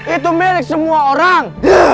itu milik semua orang